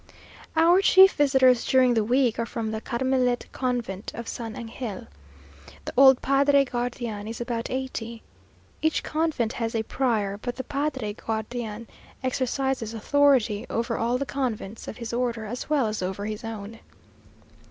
Our chief visitors during the week are from the Carmelite convent of San Angel. The old padre guardian is about eighty. Each convent has a prior, but the padre guardian exercises authority over all the convents of his order as well as over his own.